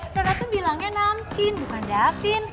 mereka tuh bilangnya namcin bukan davin